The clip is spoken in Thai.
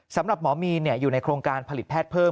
สำหรับหมอมีนอยู่ในโครงการผลิตแพทย์เพิ่ม